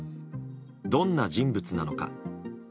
どんな人物なのか。